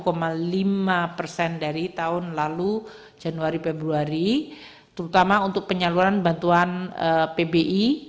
rp tiga puluh satu lima persen dari tahun lalu januari februari terutama untuk penyaluran bantuan pbi